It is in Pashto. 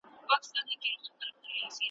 یوه ورځ د یوه ښار پر لور روان سوه ,